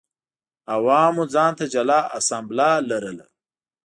عوامو ځان ته جلا اسامبله لرله.